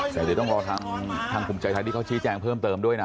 แต่เดี๋ยวต้องรอทางภูมิใจไทยที่เขาชี้แจงเพิ่มเติมด้วยนะ